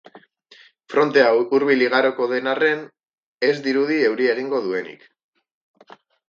Frontea hurbil igaroko den arren, ez dirudi euria egingo duenik.